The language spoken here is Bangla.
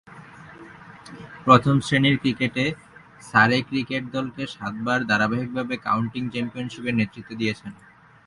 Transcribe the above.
প্রথম-শ্রেণীর ক্রিকেটে সারে ক্রিকেট দলকে সাতবার ধারাবাহিকভাবে কাউন্টি চ্যাম্পিয়নশীপে নেতৃত্ব দিয়েছেন।